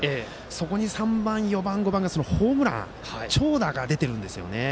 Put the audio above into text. そこで３番、４番、５番にホームラン長打が出ているんです。